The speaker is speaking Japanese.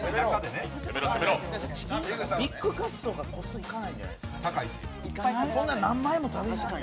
ビックカツとか個数いかないんやないですか？